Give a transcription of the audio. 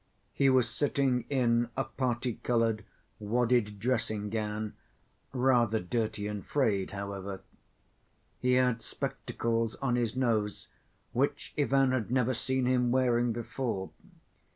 He was sitting in a parti‐colored, wadded dressing‐gown, rather dirty and frayed, however. He had spectacles on his nose, which Ivan had never seen him wearing before.